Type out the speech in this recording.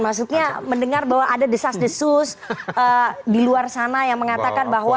maksudnya mendengar bahwa ada desas desus di luar sana yang mengatakan bahwa